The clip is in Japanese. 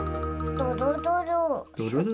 どろどろ？